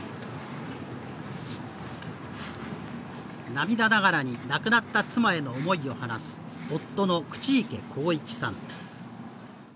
涙ながらに亡くなった妻への思いを話す夫の口池幸一さん。